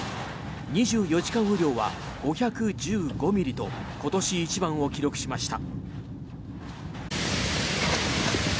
２４時間雨量は５１５ミリと今年一番を記録しました。